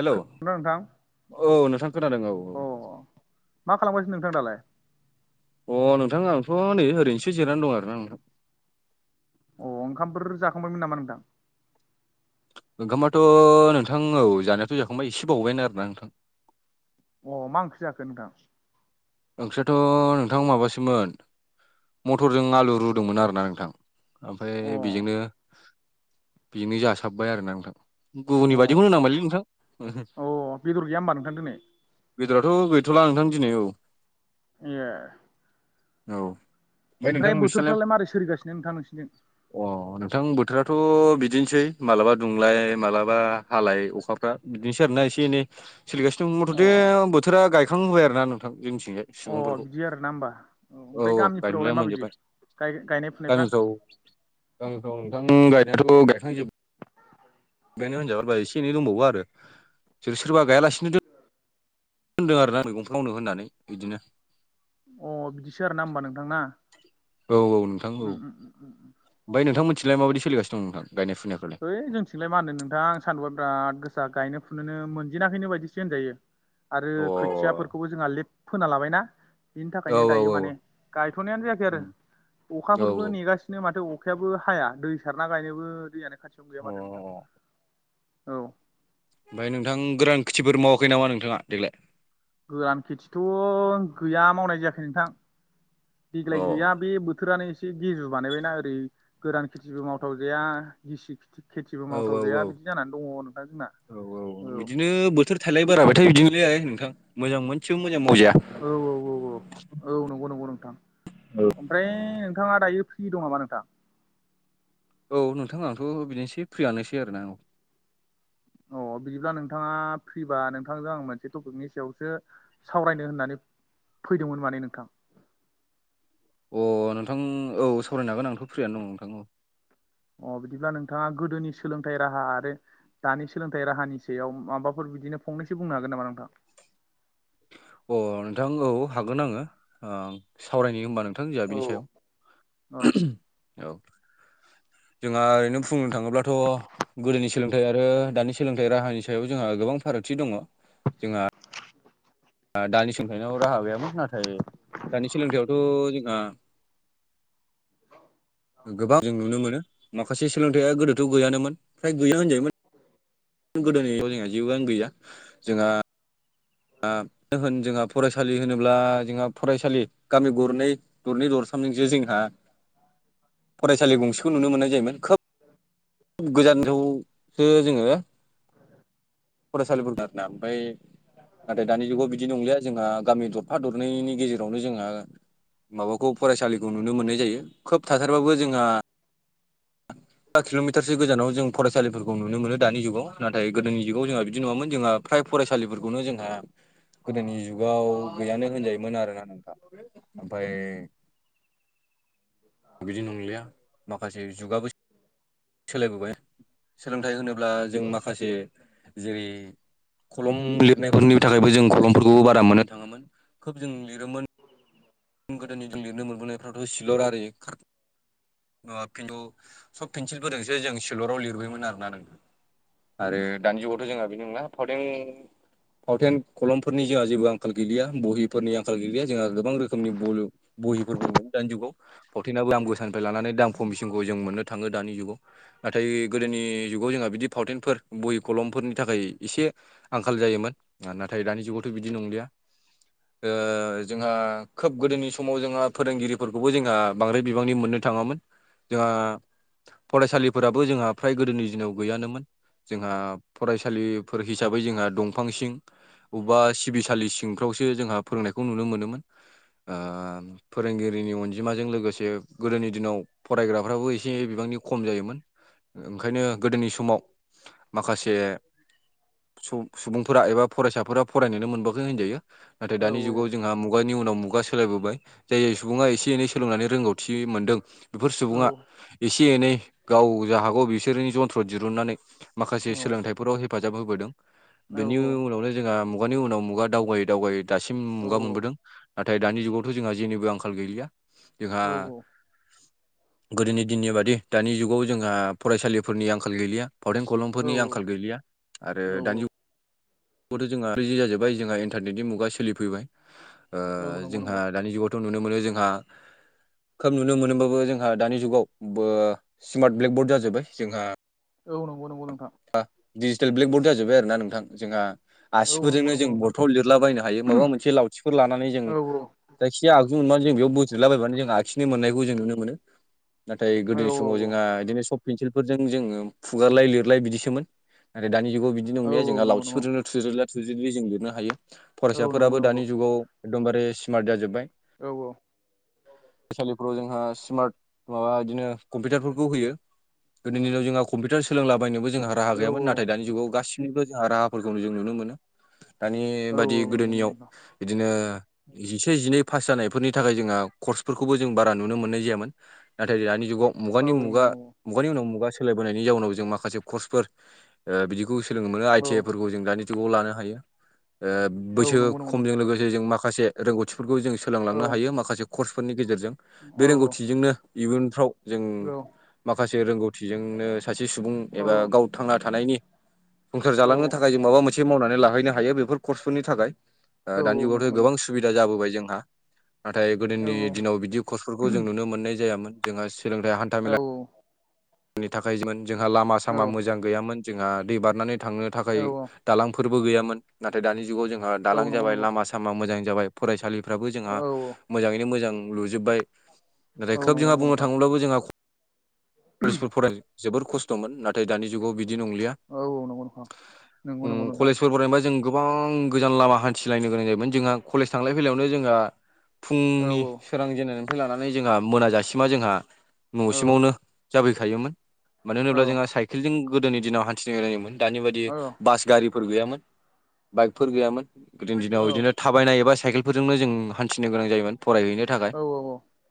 हेल' औ नोंथां नोंथां खोनादों औ औ। अ मा खालामगासिनो नोंथां दालाय? अ नोंथां आंथ' नै ओरैनोसो जिरनानै दं आरोना नोंथां। अ ओंखामफोर जाखांबायमोन नामा नोंथां? ओंखामाथ' नोंथां औ जानायाथ' जाखांबाय एसे बावबायानो आरोना नोंथां। अ मा ओंख्रि जाखो नोंथां? ओंख्रियाथ' नोंथां माबासोमोन मथरजों आलु रुदोंमोन आरोना नोंथां। अ ओमफाय बेजोंनो बेजोंनो जासाबबाय आरोना नोंथां। गुबुननि अ बायदिखौनो होननांबायलै नोंथां। अ बेदर गैया होमबा नोंथां दिनै बेदराथ' गैथ'ला नोंथां दिनै औ। ए। औ। ओमफ्राय बोथोरफ्रालाय मारै सोलिगासिनो नोंथां नोंसिनिजों? अ नोंथां बोथोराथ' बिदिनोसै मालाबा दुंलाय मालाबा हालाय अखाफ्रा। बिदिनोसै आरोना एसे एनै सोलिगासिनो दं अ मथथे बोथोरा गायखां होबाय आरोना नोंथां जोंनिथिंजाय। अ सुबुंफोरखौ बिदि आरोना होमबा औ ओमफ्राय गामिफोरावलाय माबायदि गाय गायनाय फुनायफ्रा? गामिफ्राव गामिफ्राव नोंथां गायनायाथ' गायखांजोब बायनो होनजाबाय एसे एनै दंबावो आरो सोर सोरबा गायालासिनो दो होनदों आरोना मैगंफ्राव होनो होननानै बिदिनो। अ बिदिसो आरोना होनबा नोंथांना उम उम उम उम। ओमफाय नोंथां मोनथिंलाय माबाय सलिगासि दं नोंथां गायनाय फुनायफोरालाय। है जोंथिंलाय मा होननो नोंथांं सानदुंआ बिराद गोसा गायनो फुनोनो मोनजेनाखैनो बायदिसो होनजायो। [inaudible] आरो औ खोथियाफोरखौबो जोंहा लेथ फोना लाबायना। इनि थाखायनो औ दायो औ माने गायथ'नायानो जायाखै आरो अ अ। अखाफोरबो नेगासि नो माथो अखायाबो हाया दै सारना गायनोबो दैयानो खाथियाव गैया माथो ओमफ्राय नोंथां। औ। ओमफ्राय नोंथां गोरान खेथिफोर मावाखै नामा नोंथाङा देग्लाय? गोरान खेथिथ' गैया मावनाय जायाखै नोंथां अ औ देग्लाय गैया। बे बोथोरानो एसे गिजु बानायबायना ओरै गोरान खेथिबो मावथावजाया, गिसि औ खिथिबो मावथावजाया बिदि जानानै दङ नोंथां जोंना औ। थाइलाय बाराबाथाय बिदिनोलै आरो नोंथां मोजां मोनसेबो मोजां मावजाया। औ औ औ औ औ नंगौ नंगौ नोंथां ओमफ्राय नोंथाङा दायो फ्रि दं नामा नोंथां? औ नोंथां आथ' बिदिनोसै फ्रियानोसै आरोना औ। अ बिदिब्ला नोंथाङा फ्रिबा नोंथांजों आं मोनसे टपिकनि सायावसो सावरायनो होननानै फैदोंमोन माने नोंथां। अ नोंथां औ सावरायनो हागोन आंथ' फ्रियानो दं नोंथां औ। अ बिदिब्ला नोंथाङा गोदोनि सोलोंथाइ राहा आरो दानि सोलोंथाइ राहानि सायाव माबाफोर बिदिनो फंनैसो बुंनो हागोन नामा नोंथां? अ नोंथां औ हागोन आङो ओ सावरायनो होनबा नोंथां जाहा औ बिनि सायाव औ औ। जोंहा ओरैनो बुंनो थाङोब्लाथ' गोदोनि सम सोलोंथाइ आरो दानि सोलोंथाइ राहानि सायाव जोंहा गोबां फारागथि दङ। जोंहा दानि सोलोंथाइनाव राहा गैयामोन। नाथाय दानि सोलोंथाइयावथ' जोंहा गोबां जों नुनो मोनो। माखासे सोलोंथाइया गोदोथ' गैयानोमोन, फ्राय गैया होनजायोमोन। [unintelligible] गोदोनियाव जोंहा जेबोआनो गैया। जोंहा ओ मानो होन जोंहा फरायसालि होनोब्ला जोंहा फरायसालि गामि गुरनै दरनै दरथामजोंसो जोंहा फरायसालि गंसेखौ नुनो मोननाय जायोमोन। खोब गोजानजौसो जोङो फरायसालिफोरफोरखौ आरोना। ओमफ्राय नाथाय दानि जुगाव बिदि नंलिया जोंहा। गामि दरफा दरनैनि गेजेरावनो जोंहा माबाखौ फरायसालिखौ नुनो मोननाय जायो। खोब थाथारबाबो जोंहा बा किल'मिटारसो गोजानाव जों फरायसालिफोरखौ नुनो मोनो दानि जुगाव। नाथाय गोदोनि जुगाव जोंहा बिदि नङामोन जोंहा फ्राय फरायसालिफोरखौनो जोंहा गोदोनि जुगाव गैयानो होनजायोमोन आरोना नोंथां। ओमफाय बिदि नंलिया माखासे जुगाबो सोलायबोबाय। सोलोंथाइ होनोब्ला जों माखासे जेरै खलम लिरनायफोरनि थाखायबो जों खलमफोरखौबो बारा मोनामोन। खोब जों लिरोमोन जों गोदोनिफ्राय लिरनो मोनबोनाय फ्रावथ' सिलर आरो खार ओ किनथु सक पेन्सिलफोरजोंसो जों सिलराव लिरबोयोमोन आरोना नोंथां। आरो दानि जुगावथ' जोंहा बिदि नङा। फावथेन फावथेन खलमफोरनि जोंहा जेबो आंखाल गैलिया बहिफोरनि आंखाल गैलिया जोंहा गोबां रो नि बलु बहिफोरबो मोनो दानि जुगाव। फावथेनाबो दाम गोसानिफ्राय लानानै दाम खमिसिनखौ जों मोननो थाङो दानि जुगाव। नाथाय गोदोनि जुगाव जोंहा बिदि फावथेनफोर बहि कलमफोरनि थाखाय एसे आंखाल जायोमोन नाथाय दानि जुगावथ' बिदि नंलिया ओ जोंहा खोब गोदोनि समाव जोंहा फोरोंगिरिफोरखौबो जोंहा बांद्राय बिबांनि मोननो थाङामोन। जोंहा फरायसालिफोराबो जोंहा फ्राय गोदोनि दिनाव गैयानोमोन। जोंहा फरायसालिफोर हिसाबै जोंहा दंफां सिं अबबा सिबिसालि सिंफ्रावसो जोंहा फोरोंनायखौ नुनो मोनोमोन। ओ फोरोंगिरिनि अनजिमाजों लोगोसे गोदोनि दिनाव फरायग्राफ्राबो एसे बिबांनि खम जायोमोन। ओंखायनो गोदोनि समाव माखासे सुबुंफोरा एबा फरायसाफोरा फरायनोनो मोनबाखै होनजायो। नाथाय औ दानि जुगाव जोंहा मु गानि उनाव मुगा सोलायबोबाय। जाय सुबुङा एसे एनै सोलोंनानै रोंगौथि मोनदों बेफोर सुबुङा एसे एनै गाव जा हागौ बिसोरनि जन्थ्र दिरुननानै माखासे औ सोलोंथाइफोराव हेफाजाब होबोदों औ बेनि उनावनो जोंहा मुगानि उनाव मुगा दावगायै दावगै दासिम मुगा मोनबोदों नाथाय दानि जुगावथ' जोंहा जेनिबो आंखाल गैलिया जोंहा औ गोदोनि दिननि बादि दानि जुगाव जोंहा फरायसालिफोरनि आंखाल गैलिया फावटेन औ खलमफोरनि आंखाल गैलिया आरो औ औ दानि खौथ' जोंहा रदि जाजोब्बाय जोंहा इन्टारनेटनि मुगा सोलिफैबाय औ नंगौ जोंहा नंगौ दानि जुगाव थ' नुनो मोनो जोंहा खोब नुनो मोनोबाबो जोंहा दानि जुगाव स्मार्ट ब्लेकबर्ड जाजोब्बाय। जोंहा औ नंगौ नंगौ नोंथां। बा डिजिटेल ब्लेकबर्ड जाजोबबाय आरोना नोंथां। जोंहा औ नंगौ आसिफोरजोंनो नंगौ जों नोंथां बथल लिरलाबायायनो हायो माबा मोनसे लावथिफोर लानानै जों औ औ जायखिया आगजु मोनबानो जों बेयाव बोज्रेदलाबायबानो जों आखिनो मोननायखौ जों नुनो मोनो नाथाय गोदोनि औ औ समाव जोंहा बिदिनो सब पेन्सिलफोरजों जोङो फुगारलाय लिरलाय बिदिसोमोन नाथाय दानि जुगाव बिदि औ नंलिया जोंहा नंगौ नंगौ लावथिफोरजोंनो थुज्रैला थुज्रेदलि जों लिरनो हायो औ नंगौ फरायसाफोराबो नंगौ दानि जुगाव एकदमबारे स्मार्ट जाजोब्बाय औ औ फरायसालिफोराव जोंहा स्मार्ट माबा बिदिनो कम्पिउटारफोरखौ होयो गोदोनि दिनाव जोंहा कम्पिउटार सोलोंलाबायनोबो जोंहा राहा औ गैयामोन औ नाथाय दानि जुगाव गाससिनिबो जोंहा राहाफोरखौ जों नुनो मोनो दानि औ बादि नंगौ नंगौ गोदोनियाव नोंथां बिदिनो जिसे जिनै पास जानायफोरनि थाखाय जोंहा कर्सफोरखौबो जों बारा नुनो मोननाय जायामोन नाथाय दानि जुगाव औ मुगानि मुगा नंगौ नंगौ मुगानि उनाव मुगा सोलायबोनायनि जाउनाव जों माखासे कर्सफोर बिदिखौ सोलोंनो मोनो आइ औ टि आइ फोरखौ जों दानि जुगाव लानो हायो औ बैसो नंगौ नंगौ खमजों नोंथां लोगोसे जे जों माखासे रोंगौथिफोरखौ जों औ सोलोंलांनो हायो माखासे कर्सफोरनि गेजेरजों बे औ रोंगौथिजोंनो इयुनफ्राव जों औ माखासे रोंगौथिजों सासे सुबुं औ एबा गाव थांना थानायनि संसार औ जालांनो थाखाय थाखाय जों माबा मोनसे मावनानै लाहैनो हायो बेफोर कर्सफोरनि थाखाय औ दानि नंगौ जुगावथ' नंगौ गोबां सुबिदा जाबोबाय जोंहा नाथाय औ गोदोनि दिनाव बिदि कर्सफोरखौ जों नुनो मोननाय जायामोन जोंहा सोलोंथाइ हान्थ औ नि थाखाय मोन जोंहा लामा सामा मोजां गैयामोन जोंहा दै बारनानै थांनो थाखाय औ दालांफोरबो गैयामोन नाथाय दानि जुगाव जोंहा औ दालां नंगौ जाबाय नंगौ लामा सामा मोजां जाबाय फरायसालि फोराबो औ जोंहा औ मोजाङैनो मोजां लुजोबबाय औ नाथाय खोब नंगौ जोंहा नंगौ बुंनो नोंथां थाङोब्लाबो जोंहा कलेजफोर फराय जोबोर खस्थ'मोन नाथाय दानि जुगाव बिदि नंलिया औ नंगौ नोंथां नंगौ नंगौ नोंथां कलेजफोर फरायनोबा जों गोबां गोजान लामा हान्थिलायनो गोनां जायोमोन जोंहा कलेज थांलाय फैलायावनो जोंहा औ फुंनि सोरां जेननायनिफ्राय लानानै जोंहा मोनाजासिमा जोंहा औ न'सिमावनो खायोमोन मानो होनोब्ला जोंहा साइकेलजों गोदोनि दिनाव हान्थिनो गोनां जायोमोन दानि बायदि औ बास गारिफोर गैयामोन बाइकफोर गैयामोन गोदोनि दिनाव बिदिनो औ थाबायनाय एबा साइकेलफोरजोंनो जों हान्थिनो गोनां जायोमोन फरायहैनो थाखाय औ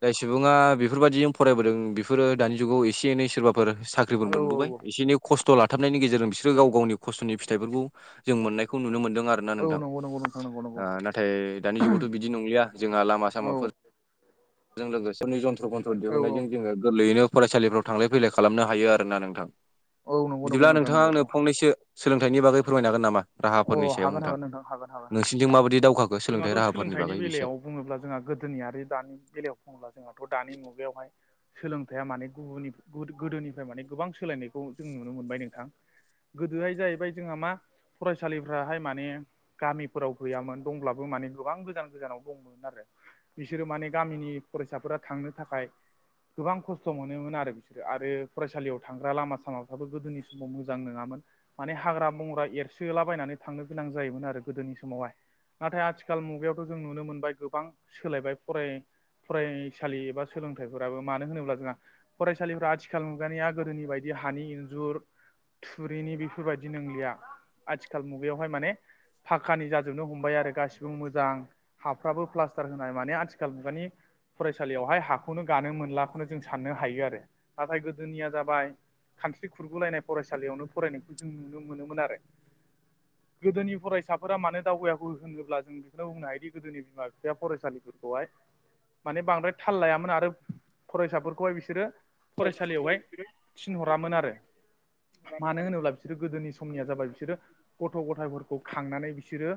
जाय सुबुङा बेफोरबायदिजों फरायबोदों बेफोरो दानि जुगाव एसे एनै सोरबाफोर साख्रि ख्रिबो मोनबोबाय औ एसे एनि खस्थ' लाथाबनायनि गेजेरजों बिसोरो गाव गावनि खस्थ'नि फिथाइफोरखौ जों मोननायखौ नुनो मोनदों आरो औ नंगौ नंगौ नोंथां नंगौ नंगौ नाथाय दानि जुगावथ' बिदि नंलिया जोंहा लामा औ सामाफोरजों लोगोसे ज स्रन्थ्र औ औ दिहुननायजों जोङो गोरलैयैनो फरायसालिफ्राव थांलाय फैलाय खालामनो हायो आरोना नोंथां औ नंगौ नंगौ बिदिब्ला नोंथां नोंथाङा नंगौ आंनो नंगौ फंनैसो सोलोंथाइनि बागै फोरमायनो हागोन नामा? अ राहाफोरनि सायाव हागोन नोंथां हागोन हागोन हागोन नोंसिनिथिं माबायदि दावगाखो सोलोंथाइ जोंहाथ' राहाफोरनि सोलोंथाइनि बागै बेसे बेलायाव बुङोब्ला जोंहा गोदोनि आरो दानि बेलायाव बुङोब्ला जोंहाथ' दानि मुगायावहाय सोलोंथाया माने गुबुननि गोदोनिफ्राय माने गोबां सोलायनायखौ जों नुनो मोनबाय नोंथां गोदोहाय जाहैबाय जोंहा मा फरायसालिफ्राहाय माने गामिफोराव गैयामोन दंब्लाबो माने गोबां गोजान गोजानाव दंमोन आरो। बिसोरो माने गामिनि फरायसाफोरा थांनो थाखाय गोबां खस्थ' मोनोमोन आरो बिसोरो आरो फरायसालियाव थांग्रा लामा सामाफ्राबो गोदोनि समाव मोजां नङामोन। माने हाग्रा बंग्रा एरसो होलाबायनानै थांनो गोनां जायोमोन आरो गोदोनि समावहाय। नाथाय आथिखाल मुगायावथ' जों नुनो मोनबाय गोबां सोलायबाय फराय फरायसालि एबा सोलोंथाइफोराबो मानो होनोब्ला जोंहा फरायसालिफ्रा आथिखाल मुगानिया गोदोनि बायदि हानि एन्जुर थुरिनि बेफोरबायदि नंलिया आथिखाल मुगायावहाय माने फाखानि जाजोबनो हमबाय आरो गासिबो मोजां हाफ्राबो प्लास्टार होनाय माने आथिखाल मुगानि फरायसालियावहाय हाखौनो गानो मोनलाखौनो जों साननो हायो आरो नाथाय गोदोनिया जाबाय खान्थ्रि खुरगुलायनाय फरायसालियावनो फरायनायखौ जों नुनो मोनोमोन आरो। गोदोनि फरायसाफोरा मानोे दावबोयाखै होनोब्ला जों बेखौनो बुंनो हायोदि गोदोनि बिमा बिफाया फरायसालिफोर हाय माने बांद्राय थाल लायामोन आरो फरायसाफोरखौहाय बिसोरो फरायसालियावहाय थिनहरामोन आरो। मानो होनोब्ला बिसोरो गोदोनि समनिया जाबाय बिसोरो गथ' गथायफोरखौ खांनानै बिसोरो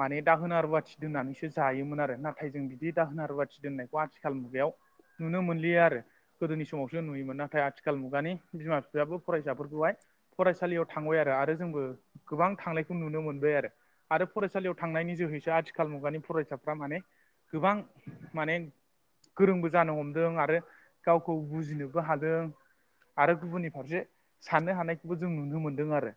माने दाहोना रुवाथि दोन्नानैसो जायोमोन आरो नाथाय जों बिदि दाहोना रुवाथि दोननायखौ आथिखाल मुगायाव नुनो मोनलिया आरो। गोदोनि समावसो नुयोमोन नाथाय आथिखाल मुगानि बिमा बिफायाबो फरायसाफोरखौहाय फरायसालियाव थांबाय आरो आरो जोंबो गोबां थांनायखौ नुनो मोनबाय आरो। आरो फरायसालियाव थांनायनि जोहैसो आथिखाल मुगानि फरायसाफ्रा माने गोबां माने गोरोंबो जानो हमदों आरो गावखौ बुजिनोबो हादों। आरो गुबुननि फारसे साननो हानायखौबो जों नुनो मोन्दों आरो।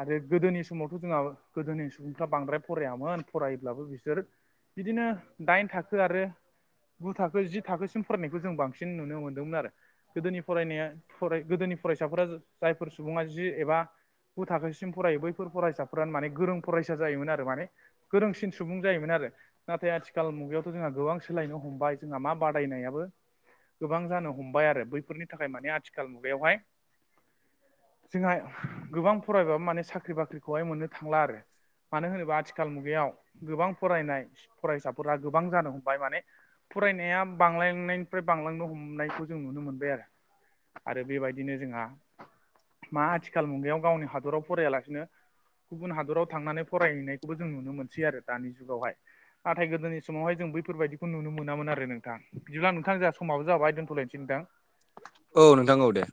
आरो गोदोनि समावथ' जोंहा गोदोनि सुबुंफ्रा बांद्राय फरायामोन फरायोब्लाबो बिसोर बिदिनो दाइन थाखो आरो गु थाखो जि थाखोसिम फरायनायखौ जों बांसिन नुनो मोन्दोंमोन आरो। गोदोनि फरायनाया फराय गोदोनि फरायसाफोरा जायफोर सुबुङा जि एबा गु थाखोसि सिम फरायो बैफोर फरायसाफ्रानो माने गोरों फरायसा जायोमोन आरो माने गोरोंसिन सुबुं जायोमोन आरो। नाथाय आथिखाल मुगायावथ' जोंहा गोबां सोलायनो हमबाय जोंहा मा बादायनायाबो गोबां जानो हमबाय आरो बैफोरनि थाखाय माने आथिखाल मुगायावहाय जोंहा गोबां फरायबा माने साख्रि बाख्रिखौहाय मोननो थांला आरो मानो होनोबा आथिखाल मुगायाव गोबां फरायनाय फरायसाफोरा गोबां जानो हमबाय माने फरायनाया बांलायनायनि ओमफ्राय बांलांनो हमनायखौ जों नुनो मोनबाय आरो। आरो बेबायदिनो जोंहा मा आथिखाल मुगायाव गावनि हादराव फैया लासिनो गुबुन हादराव थांनानै फरायहैनायखौबो जों नुनो मोनसै आरो दानि जुगावहाय। नाथाय गोदोनि समावहाय जों बैफोरबायाददिखौ नुनो मोनामोन आरो नोंथां बिदिब्ला नोंथां जोंहा समावाब जाबाय दोनथ'लायनोसै नोंथां। औ नोंथां औ दे